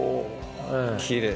きれい。